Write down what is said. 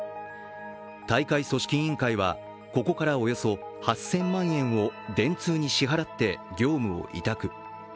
大会組織委員会はここからおよそ８０００万円を電通に支払って業務を委託。